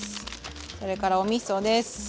それからおみそです。